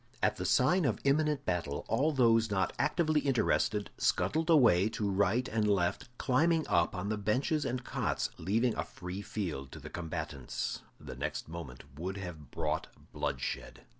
At the sign of imminent battle, all those not actively interested scuttled away to right and left, climbing up on the benches and cots, and leaving a free field to the combatants. The next moment would have brought bloodshed.